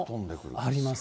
あります。